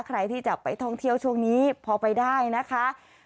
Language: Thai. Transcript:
ใครที่จะไปท่องเที่ยวช่วงนี้พอไปได้นะคะ